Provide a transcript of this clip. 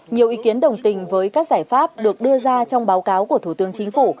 nhiều ý kiến đồng tình với các giải pháp được đưa ra trong báo cáo của thủ tướng chính phủ